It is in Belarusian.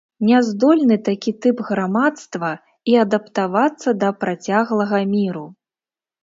Няздольны такі тып грамадства і адаптавацца да працяглага міру.